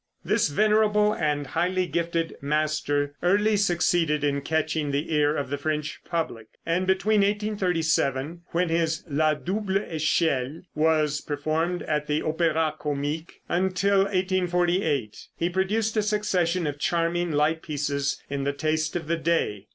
This venerable and highly gifted master early succeeded in catching the ear of the French public, and between 1837, when his "La Double Echelle" was performed at the Opéra Comique, until 1848, he produced a succession of charming light pieces in the taste of the day.